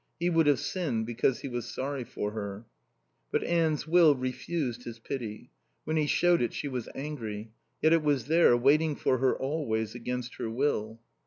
He would have sinned because he was sorry for her. But Anne's will refused his pity. When he showed it she was angry. Yet it was there, waiting for her always, against her will.